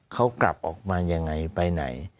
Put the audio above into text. เขากลับออกมายังไงไปไหน